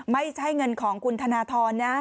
ไม่ใช่เงินของคุณธนทรนะ